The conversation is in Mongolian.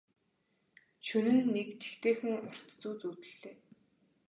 Шөнө нь нэг жигтэйхэн урт зүүд зүүдэллээ.